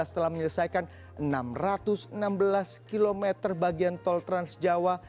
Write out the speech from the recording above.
telah menyelesaikan enam ratus enam belas km bagian tol transjawa